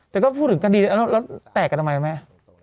แต่ก็พูดถึงคดีแล้วแตกกันทำไมแม่